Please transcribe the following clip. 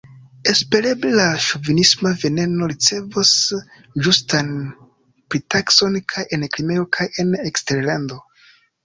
Espereble la ŝovinisma veneno ricevos ĝustan pritakson kaj en Krimeo kaj en eksterlando.